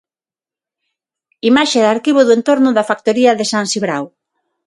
Imaxe de arquivo do entorno da factoría de San Cibrao.